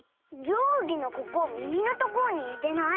じょうぎのここみみのところににてない？